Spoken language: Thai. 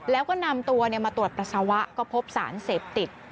แล้วก็นำตัวมาตรวจปัสสาวะก็พบสารเสพติด